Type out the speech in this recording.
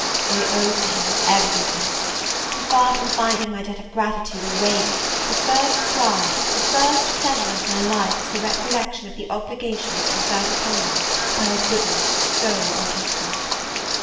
I owe to him every thing! and, far from finding my debt of gratitude a weight, the first pride, the first pleasure of my life, is the recollection of the obligations conferred upon me by a goodness so unequalled.